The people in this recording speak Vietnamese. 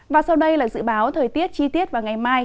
và sau đây là dự báo thời tiết chi tiết vào ngày mai